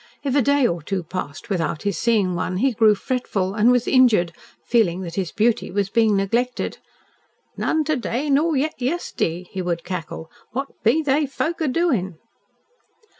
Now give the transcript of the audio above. If a day or two passed without his seeing one, he grew fretful, and was injured, feeling that his beauty was being neglected! "None to day, nor yet yest'day," he would cackle. "What be they folk a doin'?"